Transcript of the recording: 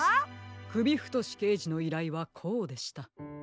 くびふとしけいじのいらいはこうでした。